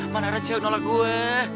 mana ada cewek nolak gue